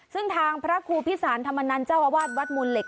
ซึ่งทางพระครูพิสารธรรมนันเจ้าอาวาสวัดมูลเหล็